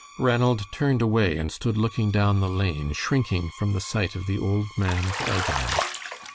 Ranald turned away and stood looking down the lane, shrinking from the sight of the old man's agony.